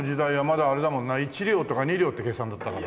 １両とか２両って計算だったから。